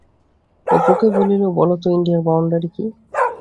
অপুকে বলিল, বলো তো ইন্ডিয়ার বাউন্ডারি কি?